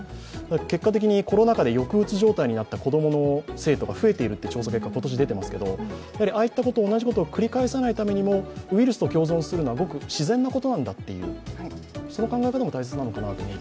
結果的にコロナ禍で抑うつ状態になった子供、生徒が増えているという調査結果が出ていますけれども、ああいったこと、同じことを繰り返さないためにも、ウイルスと共存することはごく自然なことなんだと、その考え方も大切なことなのかなと。